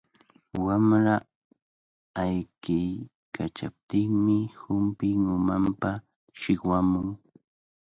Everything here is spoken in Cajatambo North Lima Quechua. Wamra ayqiykachaptinmi humpin umanpa shikwamun.